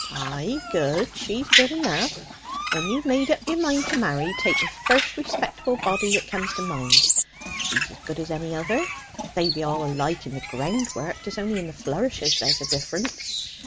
"Ay, good; she's good enough. When you've made up your mind to marry, take the first respectable body that comes to hand she's as good as any other; they be all alike in the groundwork; 'tis only in the flourishes there's a difference.